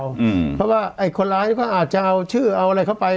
เพราะว่าไอ้คนร้ายก็อาจจะเอาชื่อเอาอะไรเข้าไป